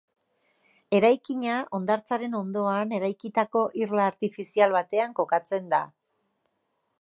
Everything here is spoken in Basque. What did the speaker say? Eraikina hondartzaren ondoan eraikitako irla artifizial batean kokatzen da.